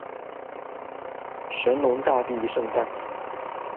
神农大帝圣诞